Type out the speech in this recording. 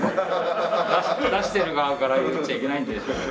出してる側から言っちゃいけないんですけど。